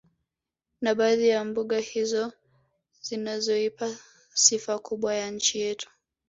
Na baadhi ya mbuga hizo zinazoipa sifa kubwa nchi yetu